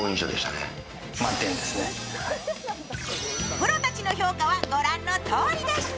プロたちの評価は御覧のとおりでした。